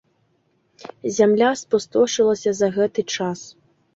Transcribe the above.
Зямля спустошылася за гэты час.